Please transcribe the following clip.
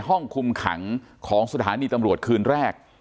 ห้องคุมขังของสถานีตำรวจคืนแรก